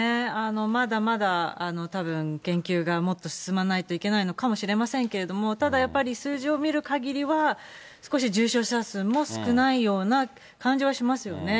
まだまだ、たぶん研究がもっと進まないといけないのかもしれませんけれども、ただやっぱり、数字を見るかぎりは少し重症者数も少ないような感じはしますよね。